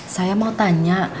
saya mau tanya